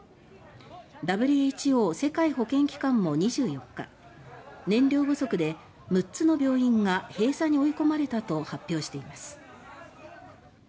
ＷＨＯ・世界保健機関も２４日燃料不足で６つの病院が閉鎖に追い込まれたと発表しています。